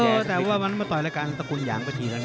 เพราะเท่าทั้งวันนั้นมาต่อยเรากานตระกุลหยังประทีแล้ว